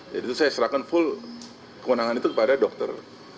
jadi itu saya serahkan full kewenangan itu kepada dokter